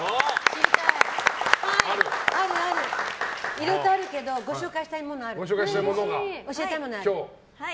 いろいろとあるけどご紹介したいものある。